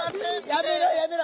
やめろやめろ！